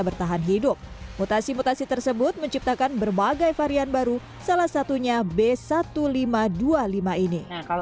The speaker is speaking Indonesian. bertahan hidup mutasi mutasi tersebut menciptakan berbagai varian baru salah satunya b seribu lima ratus dua puluh lima ini kalau